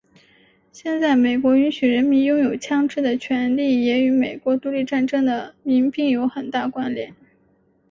现在美国允许人民拥有枪枝的权利也与美国独立战争的民兵有很大关联。